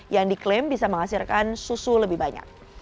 yang diklaim bisa menghasilkan susu lebih banyak